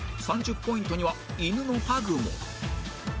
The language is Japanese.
３０ポイントには犬のパグも